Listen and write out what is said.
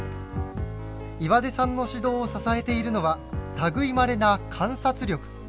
岩出さんの指導を支えているのは類まれな観察力。